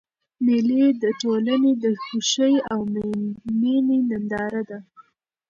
مېلې د ټولني د خوښۍ او میني ننداره ده.